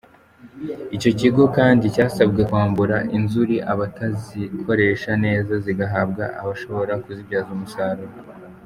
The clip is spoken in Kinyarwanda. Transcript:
Icyo kigo kandi cyasabwe kwambura inzuri abatazikoresha neza zigahabwa abashobora kuzibyaza umusaruro.